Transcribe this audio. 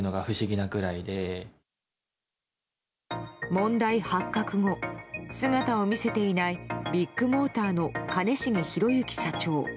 問題発覚後、姿を見せていないビッグモーターの兼重宏行社長。